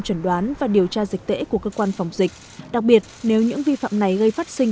chuẩn đoán và điều tra dịch tễ của cơ quan phòng dịch đặc biệt nếu những vi phạm này gây phát sinh